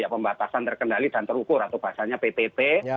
pembatasan terkendali dan terukur atau bahasanya ppp